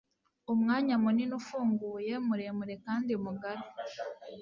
umwanya munini ufunguye, muremure kandi mugari